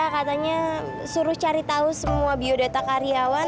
katanya suruh cari tahu semua biodata karyawan